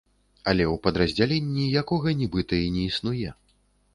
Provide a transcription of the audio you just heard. Але ў падраздзяленні, якога нібыта і не існуе.